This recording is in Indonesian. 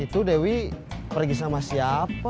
itu dewi pergi sama siapa